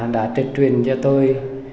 đã truyền cho tôi